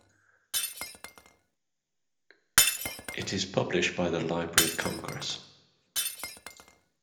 It is published by the Library of Congress.